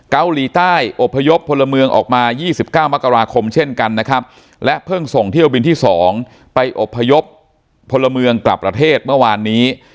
เกาหลีใต้อบพยพพลเมืองออกมา๒๙มกราคมเช่นกันนะครับและเพิ่งส่งเที่ยวบินที่๒ไปอบพยพพลเมืองกลับประเทศเมื่อวานนี้